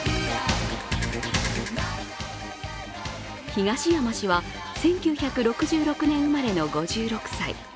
東山氏は１９６６年生まれの５６歳。